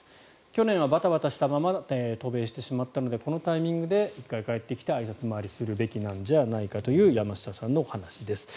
去年はバタバタしたまま渡米してしまったのでこのタイミングで一回帰ってきてあいさつ回りするべきなんじゃないかという山下さんのお話です。